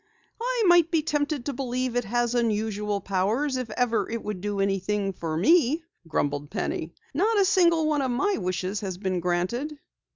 "I might be tempted to believe it has unusual powers if ever it would do anything for me," grumbled Penny. "Not a single one of my wishes has been granted."